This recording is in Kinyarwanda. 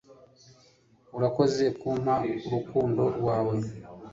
urakoze kumpa urukundo rwawe